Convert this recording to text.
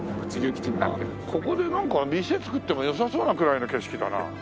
ここでなんか店作っても良さそうなくらいの景色だな。